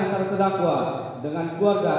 antara terdakwa dengan keluarga